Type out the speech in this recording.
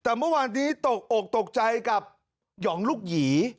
แต่เมื่อวานนี้ตกอกตกใจกับหยองลูกหยี